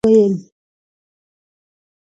اکبرجان به خپل مور او پلار ته ویل.